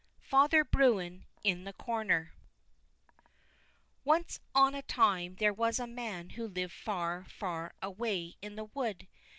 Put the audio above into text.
Father Bruin in the Corner Once on a time there was a man who lived far, far away in the wood.